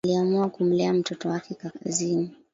Aliamua kumleta mtoto wake kazini